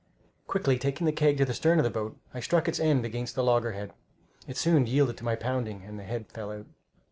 Quickly taking the keg to the stern of the boat, I struck its end against the loggerhead. It soon yielded to my pounding, and the head fell out.